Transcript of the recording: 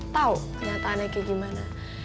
tau kenatanya kayak gimana